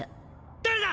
・誰だ！